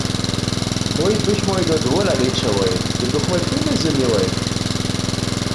Mój bychmoj do dowola lećałoj, hdy bychmoj pjenjezy měłoj.